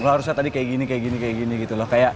lu harusnya tadi kayak gini kayak gini kayak gini gitu loh